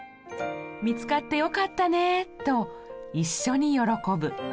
見つかってよかったねと一緒に喜ぶ。